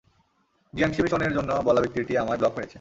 Jiangxi মিশনের জন্য বলা ব্যক্তিটি আমায় ব্লক মেরেছে।